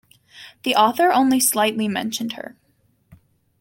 The author only slightly mentioned her.